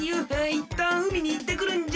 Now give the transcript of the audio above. いったんうみにいってくるんじゃ。